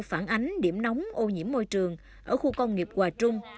phản ánh điểm nóng ô nhiễm môi trường ở khu công nghiệp hòa trung